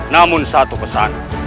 namun satu pesan